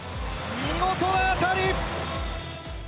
見事な当たり！